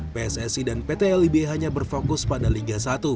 pssi dan pt lib hanya berfokus pada liga satu